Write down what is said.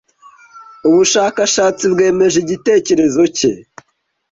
Ubushakashatsi bwemeje igitekerezo cye.